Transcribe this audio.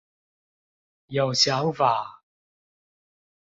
有想法